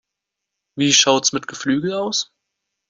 Wie schaut es mit Geflügel aus?